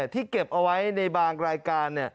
ที่เก็บเอาไว้ในบางรายการ